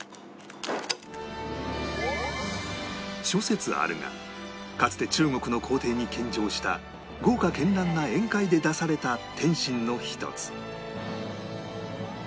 諸説あるがかつて中国の皇帝に献上した豪華絢爛な宴会で出された点心の１つ